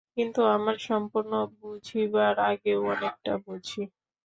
কিন্তু আমরা সম্পূর্ণ বুঝিবার আগেও অনেকটা বুঝি।